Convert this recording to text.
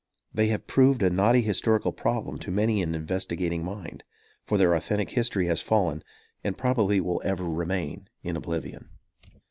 They have proved a knotty historical problem to many an investigating mind; for their authentic history has fallen, and probably will ever remain in oblivion.